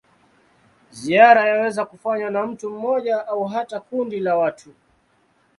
Ziara yaweza kufanywa na mtu mmoja au hata kundi la watu.